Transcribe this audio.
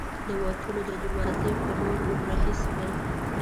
د وتلو د دراوزې په لور ور هۍ کړل.